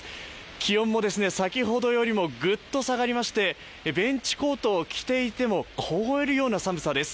気温も先ほどよりもぐっと下がりましてベンチコートを着ていても凍えるような寒さです。